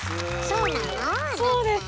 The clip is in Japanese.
そうです。